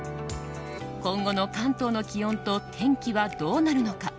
今後の関東の気温と天気はどうなるのか？